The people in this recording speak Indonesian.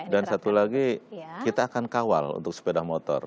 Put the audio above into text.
dan satu lagi kita akan kawal untuk sepeda motor